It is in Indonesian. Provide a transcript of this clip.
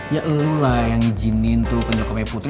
ya elu lah yang izinin tuh ke nyokapnya putri